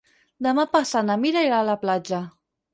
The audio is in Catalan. Demà passat na Mira irà a la platja.